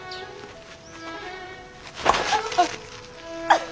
あっ！